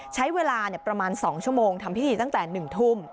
ใช้เวลาเนี่ยประมาณสองชั่วโมงทำพิธีตั้งแต่หนึ่งทุ่มอืม